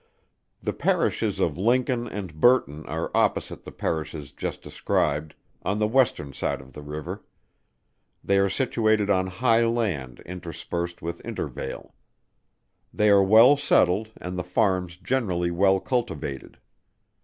The Parishes of Lincoln and Burton are opposite the Parishes just described, on the western side of the river they are situated on high land interspersed with intervale. They are well settled and the farms generally well cultivated.